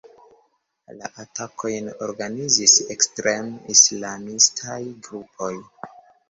La atakojn organizis ekstrem-islamistaj grupoj.